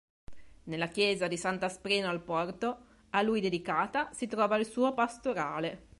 Nella chiesa di Sant'Aspreno al Porto a lui dedicata si trova il suo Pastorale.